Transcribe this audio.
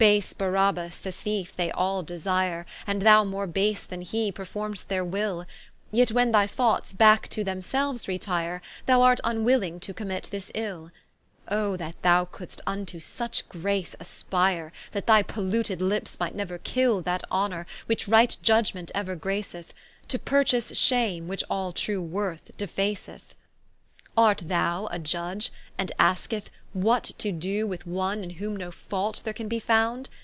Base Barrabas the Thiefe they all desire And thou more base than he, perform'st their will; Yet when thy thoughts backe to themselues retire, Thou art vnwilling to commit this ill: Oh that thou couldst vnto such grace aspire, That thy polluted lips might neuer kill That Honour, which right Iudgement euer graceth, To purchase shame, which all true worth defaceth. Art thou a Iudge, and askest, What to doe With One, in whom no fault there can be found?